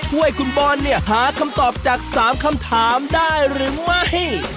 ช่วยคุณบอลเนี่ยหาคำตอบจาก๓คำถามได้หรือไม่